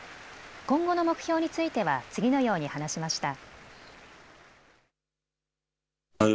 今後の目標については次のように話しました。